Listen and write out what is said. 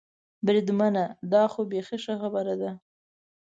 بریدمنه، دا خو بېخي ښه خبره ده.